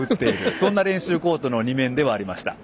そんな練習コートの２面でした。